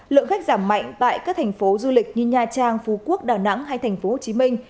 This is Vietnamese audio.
lượng khách giảm mạnh tại các thành phố du lịch như nha trang phú quốc đà nẵng hay tp hcm